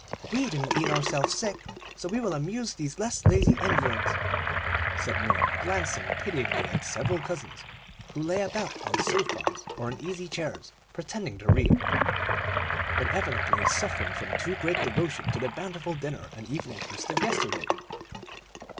We didn't eat ourselves sick, so we will amuse these lazy invalids;" and Min glanced pityingly at several cousins who lay about on sofas or in easy chairs, pretending to read, but evidently suffering from too great devotion to the bountiful dinner and evening feast of yesterday.